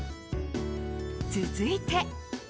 続いて。